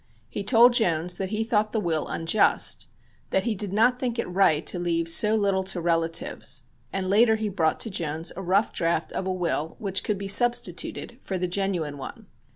He told Jones that he thought the will unjust; that he did not think it right to leave so little to relatives, and later he brought to Jones a rough draft of a will which could be substituted for the genuine one.